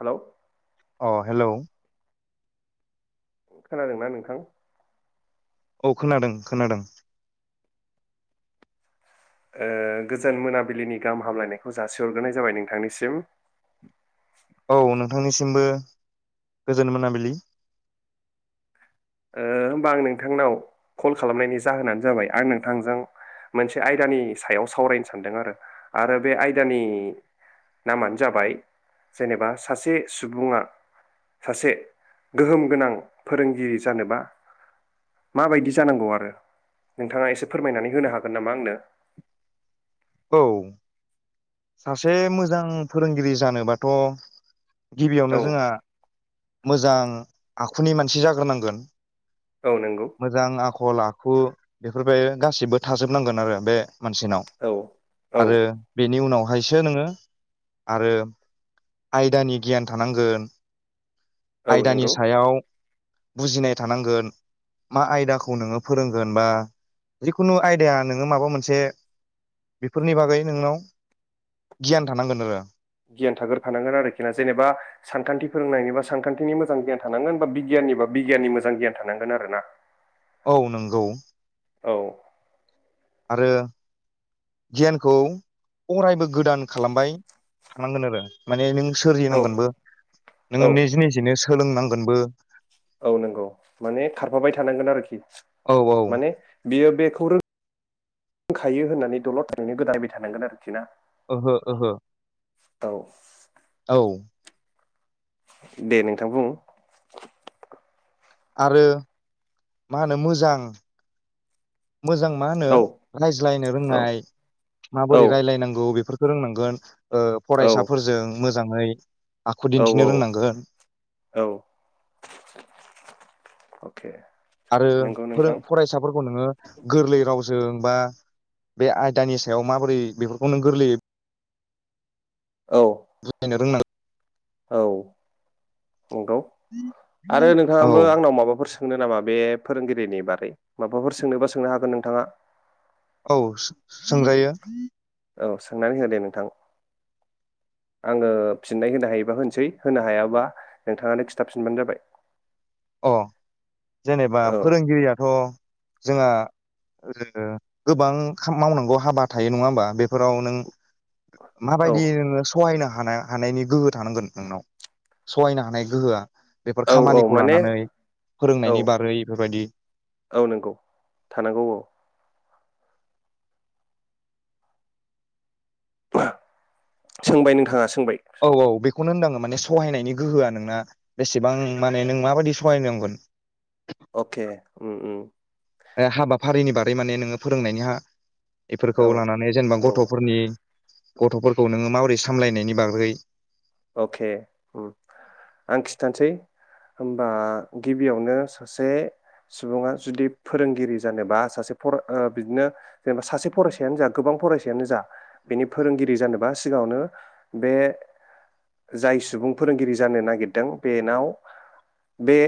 हेल' अ हेल' खोनादोंना नोंथां? औ खोनादों खोनादों। ओ गोजान मोनाबिलिनि गाहाम हामलायनायखौ जासिहरग्रोनाय जाबाय नोंथांनिसिम। औ नोंथांनिसिमबो गोजोन मोनाबिलि। ओ होम्बा आं नोंथांनाव कल खालामनायनि जाहोनानो जाबाय आं नोंथांजों मोनसे आयदानि सायाव सावरायनो सानदों आरो आरो बे आयदानि नामानो जाबाय जेनेबा सासे सुबुङा सासे गोहोम गोनां फोरोंगिरि जानोबा माबायदि जानांगौ आरो नोंथाङा एसे फोरमायनानै होनो हागोन नामा आंनो? औ सासे मोजां फोरोंगिरि जानोबाथ' औ गिबियावनो जोंहा मोजां आखुनि मानसि जाग्रोनांगोन। औ नंगौ मोजां आखल आखु बे गासिबो थाजोबनांगोन आरो बे मानसिनाव औ औ आरो बेनि उनाव खायसो नोङो आरो आयदानि गियान थानांगोन। औ आयदानि नंगौ सायाव बुजिनाय थानांगोन मा आयदाखौ नोङो फोरोंगोन बा जिखुनु आयदाया नोङो माबा मोनसे बेफोरनि बागै नोंनाव गियान थानांगोन आरो गियान थाग्रोफानांगोन आरोखि ना जेनेबा सानखान्थि फोरोंनायनिबा सानखान्थिनि मोजां गियान थानांगोन बा बिगियाननि बा बिगियाननि मोजां गियान थानांगोन आरो ना औ नंगौ औ आरो गियानखौ अरायबो गोदान खालामबाय थानांगोन आरो माने नों सोरजि औ नांगोनबो औ नोङो निजि निजिनो सोलोंनांगोनबो औ नंगौ माने खारफाबाय थानांगोन आरोखि औ औ माने बियो बेखौ रों [unintelligible] खायो होननानै दलर थनानै गोदायबाय थानांगोन आरोखि ना ओहो ओहो औ औ दे नोंथां बुं। आरो मा होनो मोजां मोजां मा होनो औ रायज्लायनो औ रोंनाय औ माबोरै रायलायनांगौ बेफो फोरोंनांगोन। ओ औ फरायसाफोरजों मोजाङै आखु औ दिन्थिनो रोंनांगोन। औ [unintelligible] आरो नंगौ फोरो नोंथां फरायसाफोरखौ नोङो गोरलै राव जों बा बे आयदानि सायाव माबोरै बेफोरखौ नों गोरलैयै औ [unintelligible] औ नंगौ रोंनांगोन आरो औ नोंथाङाबो आंनाव माबाफोरसों सोंनो नामा बे फोरोंगिरिनि बागै माबाफोर सोंनोबा सोंनो हागोन नोंथाङा। औ सो सोंजायो। औ सोंनानै हो दे नोंथां आङो फिननाय होनो हायोबा होनोसै होनो हायाबा नोंथाङानो खिथाबफिनबानो जाबाय। अ जेनेबा औ फोरोंगिरियाथ' जोंहा ओरैनो गोबां मावनांगौ हाबा थायो नङा होमबा बेफोराव नों औ माबायदियै नों सहायनो हा हानाय हानायनि गोहो थानांगोन नोंनाव सहायनो हानाय गोहोआ बेफोर औ औ खामानिख माने औ बेफोरबायदि औ नंगौ थानांगौ औ। सोंबाय नोंथाङा सो फंबाय खौनो होनदाङो माने सहायनायनि गोहोआ नोंना बेसेबां माने नों माबायदि सहायनांगोन? अके उम उम हाबाफारिनि बारै माने नोङो फोरोंनायनि ह बेफोरखौ औ लानानै जेनेबा औ गथ'फोरनि गथ'फोरखौ नोङो माबोरै सामलायनायनि बाग्रै अके आं खिथानोसै होमबा गिबियावनो सासे सुबुङा जुदि फोरोंगिरि जानोबा सासे फराय बिदिनो जेनेबा सासे फरायसायानो जा गोबां फरायसायानो जा बेनि फोरोंगिरि जानोबा सिगाङावनो बे जाय सुबुं फोरोंगिरि जानो नागिरदों बेनाव बे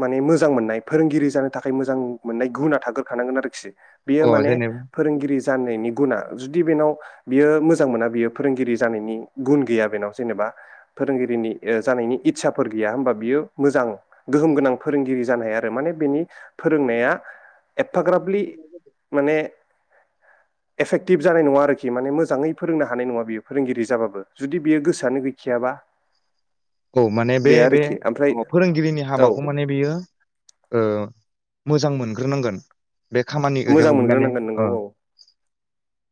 माने मोजां मोननाय फोरोंगिरि जानो थाखाय मोजां मोननाय गुना थागोरखानांगोन आरोखि। बेयो अ माने जेनेबा फोरोंगिरि जानायनि गुना जुदि बेनाव बियो मोजां मोना बियो फोरोंगिरि जानायनि गुन गैया बेनाव जेनेबा फोरोंगिरिनि जानायनि इस्साफोर गैया होमबा बियो मोजां गोहोम गोनां फोरोंगिरि जानो हाया आरो माने बेनि फोरोंनाया एफाग्राबलि माने एफेक्टिभ जानाय नङा आरोखि माने मोजाङै फोरोंनो हानाय नङा बेयो फोरोंगिरि जाबाबो। जुदि बेयो गोसोआनो गैखायाबा। औ माने बे बे आरोखि ओमफ्राय औ फोरोंगिरिनि औ हाबाखौ माने बियो ओ मोजां मोनग्रोनांगोन। बे खामानिजों मोजां माने मोनग्रोनांगोन नोंगौ ओ औ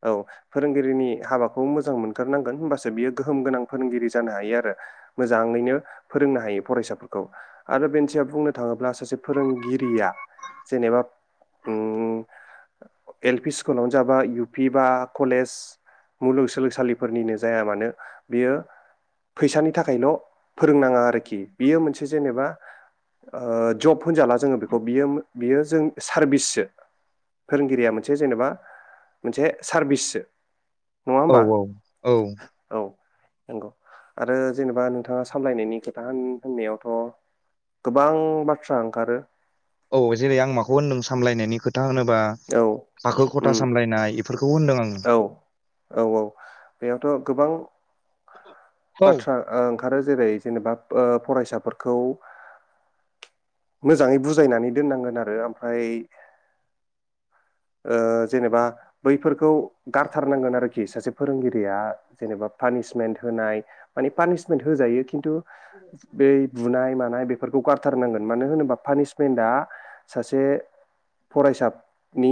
औ फोरोंगिरिनि हाबाखौ मोजां मोनथारनांगोन होमबासो बियो गोहोम गोनां फोरोंगिरि जानो हायो आरो मोजाङैनो फोरोंनो हायो फरायसाफोरखौ। आरो बेनि सायाव बुंनो थाङोब्ला सासे फोरोंगिरिया जेनेबा एल पि स्कुलावनो जा बा इउ पि बा कलेज मुलुगसोलोंसालिफोरनिनो जाया मानो बियो फैसानि थाखायल' फोरोंनाङा आरोखि बियो मोनसे जेनेबा ओ जब होनजाला जोङो बेखौ बियो बियो जों सारभिससो फोरोंगिरिया मोनसे जेनेबा मोनसे सारभिससो औ औ औ। नंगौ आरो जेनेबा नोंथाङा सामलायनायनि खोथा होन-होननायावथ' गोबां बाथ्रा ओंखारो। औ जेरै आं माखौ होनदों सामलायनायनि खो था होनोबा औ थाखो खथा उम सामलायनाय बेफोरखौ होनदों आङो औ औ औ बेयावथ' गोबां औ बाथ्रा ओं आरो जेरै ओ जेनेबा फरायसाफोरखौ मोजाङै बुजायनानै दोननांगोन आरो ओमफ्राय ओ जेनेबा बैफोरखौ गारथारनांगोन आरोखि सासे फोरोंगिरिया जेनेबा पानिसमेन्ट होनाय माने पानिसमेन्ट होजायो खिन्थु बै बुनाय मानाय बेफोरखौ गारथारनांगोन मानो होनोबा पानिशमेन्टआ सासे फरायसा नि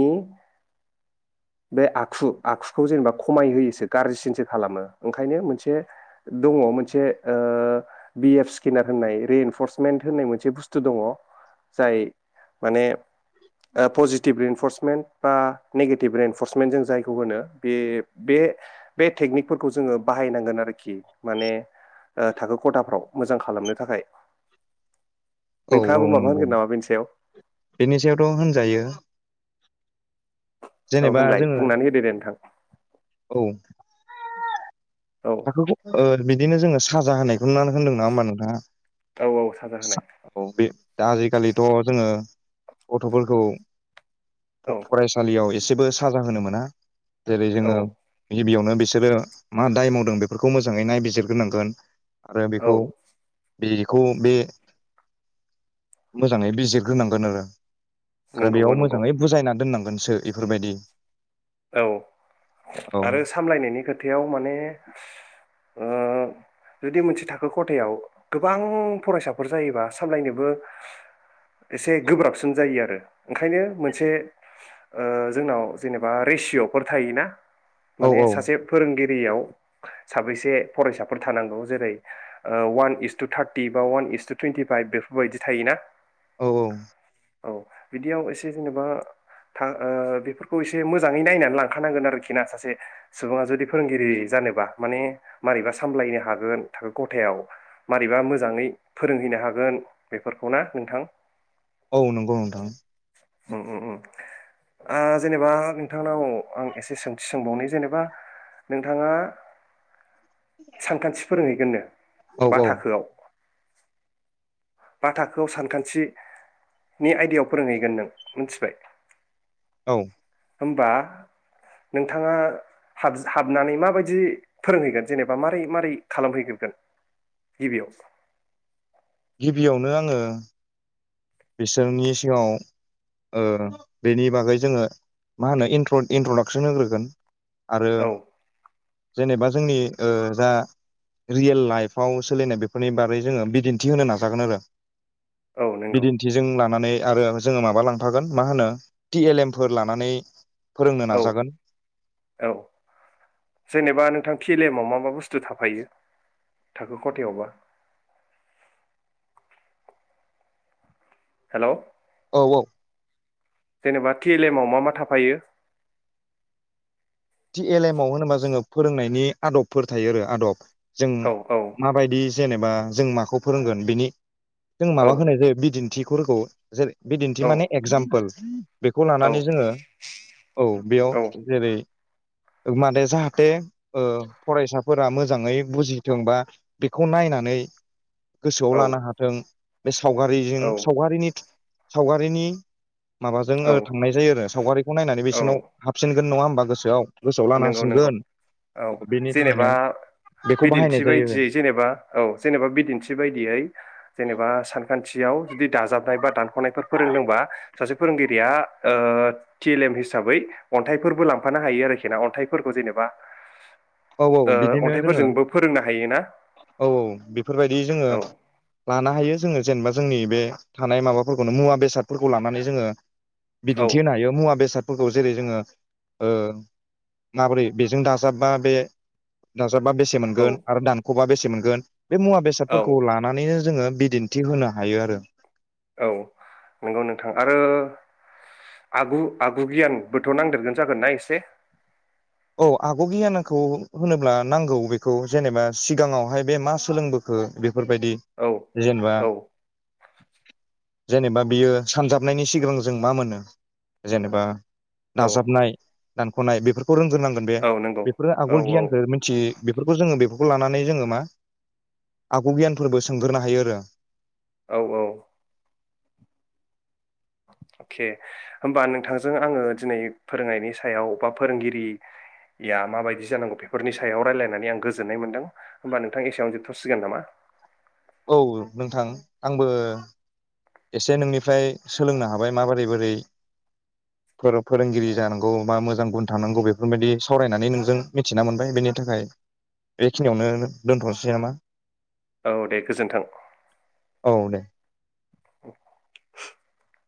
बे आखु आखुखौ जेनेबा खमाय होयोसो गाज्रिसिनसो खालामो ओंखायनो मोनसे दङ' मोनसे बि एफ स्केनार होननाय रिएनफर्समेन्ट होननाय मोनसे बुस्थु दङ' जाय माने ओ पजिटिभ फर्समेन्ट बा नेगेटिभ एनफर्समेन्ट जों जायखौ होनो बे बे बे टेकनिकफोरखौ जोङो बाहायनांगोन आरोखि माने थाखो खथाफ्राव मोजां खालामनो थाखाय। औ औ नोंथाङाबो माबा नंगौ होनगोन नामा बेनि सायाव? बेनि सायावथ' होनजायो। औ जेनेबा होनलाय जोङो बुंनानै होदो दे नोंथां औ। औ थाखोखौ ओ बि दिनो जोङो साजा होनायखौ नुनानै होन्दों नङा होमबा नोंथाङा। औ औ साजा होनाय। औ बे दा आजिखालिथ' जोङो गथ'फोरखौ फ-फरायसालियाव ए सेबो साजा होनो मोना। जेरै औ जोङो औ गिबियावनो बिसोरो मा दाय मावदों बेफोरखौ मोजाङै नायबिजिरग्रोनांगोन। आरो औ बेखौ बेखौ बे मोजाङै बिजिरग्रोनांगोन आरो आरो नंगौबो बेयाव नंगौ मोजाङै बुजायना दोननांगोन। सो इफोरबायदि औ आरो सामलायनायनि खोथायाव माने ओ जुदि मोनसे थाखो खथायाव गोबां फरायसाफोर जायोबा सामलायनोबो एसे गोब्राबसिन जायो आरो ओंखायनो मोनसे ओ जोंनाव जेनेबा बा रेसिअ'फोर थायोना औ माने औ सासे फोरोंगिरि बेयाव साबैसे फरायसाफोर थानांगौ जेरै ओ वान इस टु थार्टि बा वान इस टु टुवन्टि फाइभ बेफोरबायदि थायोना औ औ औ बिदियाव एसे जेनेबा था ओ बेफोरखौ एसे एसे मोजाङै नायनानै लांखानांगोन आरोखि ना सासे सुबुङा जुदि फोरोंगिरि जानोबा माने मारैबा सामलायनो हागोन थाखो खथायाव मारैबा मोजाङै फोरोंहैनो हागोन बेफोरखौ ना नोंथां औ नंगौ नोंथां उम उम उम ओ जेनेबा नोंथांनाव आं एसे सोंथि सोंबावनो जेनेबा नोंथाङा सानखान्थि फोरै गोनो औ बा औ थाखोआव बा थाखोआव सानखान्थिनि आयदायाव फोरोंहैगोन नों मिनथिबाय औ होमबा नोंथाङा हाब हाबनानै माबायदि फोरोंहैगोन जेनेबा मारै मारै खालामहैग्रोनगोन गिबियाव गिबियावनो आङो बिसोरनि सिगाङाव ओ बेनि बागै जोङो मा होनो इन्ट्र इन्ट्रडाक्सन होग्रोगोन आरो औ जेनेबा जोंनि ओ जा रियेल लाइफआव सोलिनाय बेफोरनि बारै जोङो बिदिन्थि होनो नाजागोन आरो औ नंगौ बिदिन्थिजों लानानै आरो जोङो माबा लांफागोन मा होनो टि एल एम फोर लानानै फोरोंनो औ नाजागोन औ जेनेबा नोंथां टि एल एमआव बे बुस्थु थाफायो थाखो खथायावबा हेल' औ औ जेनेबा टि एल एमाव मा मा थाफायो? टि एल एमाव होनोबा जोङो फोरोंनायनि आदबफोर थायो आरो आदब जों औ औ माबायदि जेनेबा जों माखौ फोरोंगोन बिनि जों औ माबा होनाय जायो बिदिन्थि [unintelligible] जेरै बिदिन्थि औ माने एकजामपोल [inaudible] बेखौ औ लानानै जोङो औ बेयाव औ जेरै माने जाहाथे फरायसाफोरा मोजाङै बुजिथोंबा बेखौ नायनानै गोसोआव लानो औ हाथों बे सावगारिजों औ सावगारिनि सावगारिनि माबाजों औ थांनाय जायो आरो सावगारिखौ नायनानै औ बेसोरनाव हाबसिन नङा होनबा गोसोखांगोन बेआव नंगौ नंगौ औ थाखायनो जेनेबा बेखौ बाहायनाय बिदिन्थि जायो बायदियै जेनेबा औ जेनेबा बिदिन्थि बायदियै जेनेबा सानखान्थि आव जुदि दाजाबनाय बा दानख'नायफोर फोरोंदोंबा सासे फोरोंगिरिया टि एल एम हिसाबै अन्थाइफोरबो लांफानो हायो आरोखि अन्थाइफोरखौ जेनेबा औ औ ओ बिदिनो जोङो अन्थाइफोरजोंबो फोरोंनो हायोना औ औ बेफोरबायदि जोङो औ लानो हायो जोङो जेनेबा जोंनि बे थानाय माबाफोरखौनो मुवा बेसादफोरखौ लानानै जोङो औ बिदिन्थि होनो हायो मुवा बेसाद बेफोरखौ जेरै जोङो माबोरै बेजों दाजाबबा बे जेनबा बेसे औ मोनगोन आरो दानख' दानख'बा बेसे मोनगोन बे मुवा औ बेसादफोरखौ लानानैनो जोङो बिदिन्थि होनो हायो आरो औ नंगौ नोंथां आरो आगु आगु गियानबोथ' नांदेरगोन जागोन ना एसे औ आग' गियानखौ होनोब्ला नांगौ बेखौ जेनेबा सिगाङावहाय बे मा सोलोंबोखो बेखौ बेफोरबायदि औ जेनेबा औ जेनेबा बियो सानजाबनायनि सिगां जों मा मोनो जेनेबा औ दाजाबनाय दानख'नाय बेफोरखौ फोरोंग्रोनांगोन बे औ नंगौ बेफोरो औ आगु औ गियान मिन्थि बेफोरखौ जोङो बेफोरखौ लानानै जोङो मा आगु गियानफोरबो सोंगोरनो हायो आरो औ औ अके होमबा नोंथांजों आङो दिनै फोरोंनायनि सायाव बा फोरोंगिरिया माबायदि जानांगौ बेफोरनि सायाव रायजलायनानै आं गोजोननाय मोनदों होमबा नोंथां एसेयावनो जोबथ सिगोन नामा औ नोंथां आंबो एसे नोंनिफ्राय सोलोंनो हाबाय माबोरै बोरै फोरोंगिरि जानांगौ मा मोजां गुन थांनांगौ बेफोरबायाददि सावरायनानै नोंजों मिथिना मोनबाय बेनि थाखाय बेखिनियावनो दोन्थ नोसै नामा औ दे गोजोन्थों औ दे [inaudible]